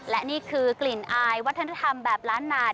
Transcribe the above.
และนี่คือกลิ่นอายวัฒนธรรมแบบล้านนาด